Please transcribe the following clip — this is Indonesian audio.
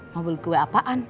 mau beli kue apaan